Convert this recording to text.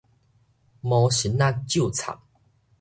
魔神仔咒讖